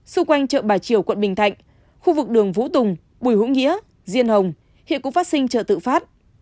xung quanh chợ bà triều quận bình thạnh khu vực đường vũ tùng bùi hữu nghĩa diên hồng hiện cũng phát sinh chợ tự phát